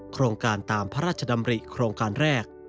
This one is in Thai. โครงการตามพระราชดำริโครงการแรก